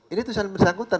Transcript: ini tulisan yang bersangkutan